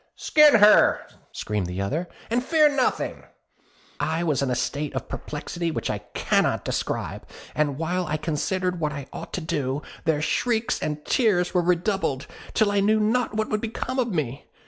'Skin her!' screamed the other, 'and fear nothing.' I was in a state of perplexity which I cannot describe; and while I considered what I ought to do, their shrieks and tears were redoubled, till I knew not what would become of me.